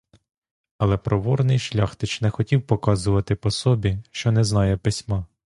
Але проворний шляхтич не хотів показувати по собі, що не знає письма.